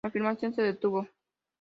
La filmación se detuvo.